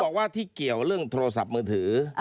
บอกว่าที่เกี่ยวเรื่องโทรศัพท์มือถือ